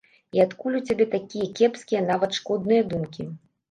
І адкуль у цябе такія кепскія, нават шкодныя думкі?